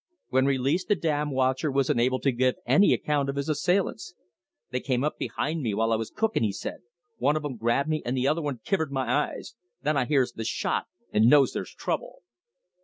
When released, the dam watcher was unable to give any account of his assailants. "They came up behind me while I was cooking," he said. "One of 'em grabbed me and the other one kivered my eyes. Then I hears the 'shot' and knows there's trouble."